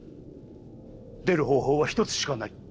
出る方法は一つしかない。